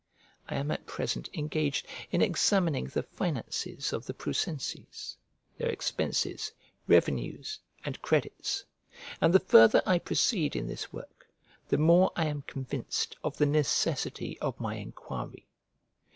I am at present engaged in examining the finances of the Prusenses, their expenses, revenues, and credits; and the farther I proceed in this work, the more I am convinced of the necessity of my enquiry.